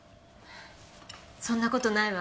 そんな事ないわ。